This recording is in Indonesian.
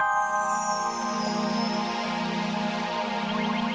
wulan itu sudah menjadi hak milik gua dengar arah selama gue masih hidup gue akan terus ngomong si wulan